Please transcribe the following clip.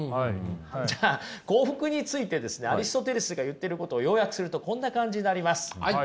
じゃあ幸福についてですねアリストテレスが言ってることを要約するとこんな感じになります。